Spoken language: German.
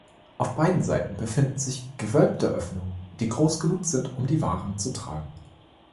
Auf beiden Seiten befinden sich gewölbte Öffnungen, die groß genug sind, um die Waren zu tragen.